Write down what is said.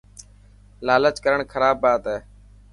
لالچ ڪرڻ خراب بات هي.